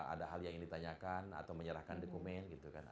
ada hal yang ditanyakan atau menyerahkan dokumen